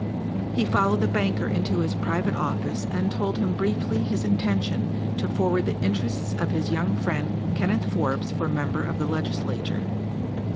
He followed the banker into his private office and told him briefly his intention to forward the interests of his young friend Kenneth Forbes for Member of the Legislature.